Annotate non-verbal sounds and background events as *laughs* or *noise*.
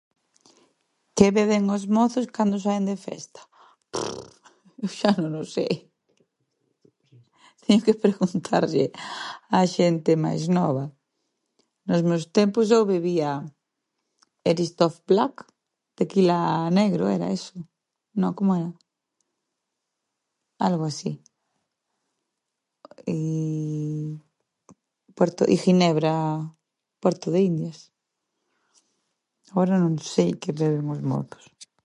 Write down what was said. Que beben os mozos cando saen de festa? *hesitation* Xa non o sei, *laughs* teño que preguntarlle a xente máis nova. Nos meus tempos só bebía Eristoff Black, tequila negro era eso. No, como era? Algo así i puerto i ginebra, Puerto de Indias. Ahora non sei que beben os mozos.